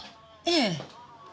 ええ。